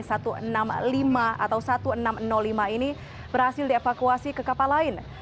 atau seribu enam ratus lima ini berhasil dievakuasi ke kapal lain